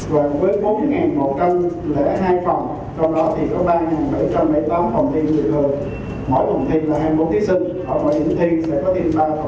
làm khách hội coi thi